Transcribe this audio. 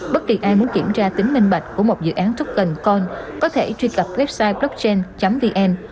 bất kỳ ai muốn kiểm tra tính minh bạch của một dự án token coin có thể truy cập website blockchain vn